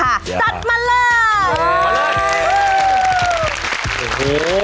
สัตว์มาเลิศ